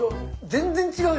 全然違う。